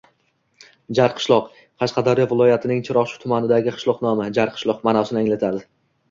Jarqishloq – Qashqadaryo viloyatining Chiroqchi tumanidagi qishloq nomi. Jarqishloq – ma’nosini anglatadi.